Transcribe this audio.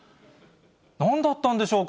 なんだったんでしょうか。